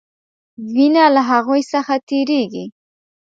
وینه له هغوي څخه تیریږي.